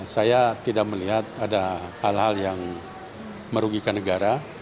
saya tidak melihat ada hal hal yang merugikan negara